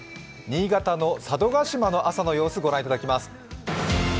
新潟の佐渡島の朝の様子御覧いただきます。